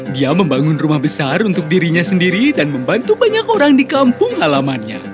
dia membangun rumah besar untuk dirinya sendiri dan membantu banyak orang di kampung halamannya